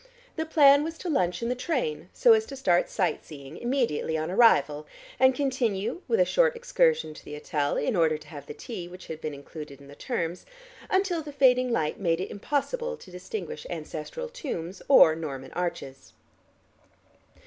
The plan was to lunch in the train, so as to start sight seeing immediately on arrival, and continue (with a short excursion to the hotel in order to have the tea which had been included in the terms) until the fading light made it impossible to distinguish ancestral tombs or Norman arches.